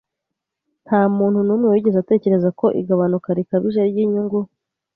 Nta muntu n'umwe wigeze atekereza ko igabanuka rikabije ry’inyungu.